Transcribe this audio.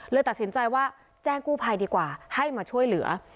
เลยตัดสินใจว่าแจ้งกู้ภัยดีกว่าให้มาช่วยเหลือ